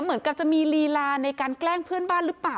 เหมือนกับจะมีลีลาในการแกล้งเพื่อนบ้านหรือเปล่า